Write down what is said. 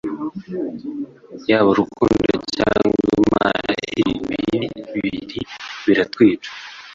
Yaba urukundo cyangwa imana Ibi bibi bibiri biratwica